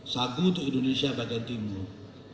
sagu untuk indonesia bagian timur